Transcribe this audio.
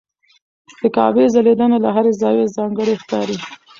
د کعبې ځلېدنه له هر زاویې ځانګړې ښکاري.